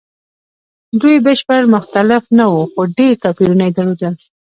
دوی بشپړ مختلف نه وو؛ خو ډېر توپیرونه یې درلودل.